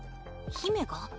姫が？